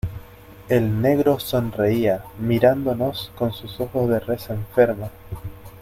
el negro sonreía, mirándonos con sus ojos de res enferma: